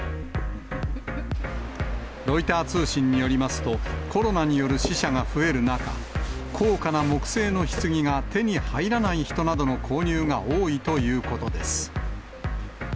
ロイター通信によりますと、コロナによる死者が増える中、高価な木製のひつぎが手に入らない人などの購入が多いということです。